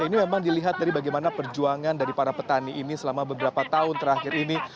ini memang dilihat dari bagaimana perjuangan dari para petani ini selama beberapa tahun terakhir ini